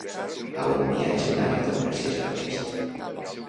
A on viatja el narrador gràcies a aquest?